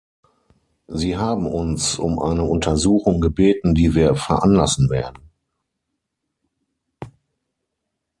Sie haben uns um eine Untersuchung gebeten, die wir veranlassen werden.